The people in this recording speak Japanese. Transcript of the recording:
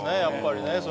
やっぱりね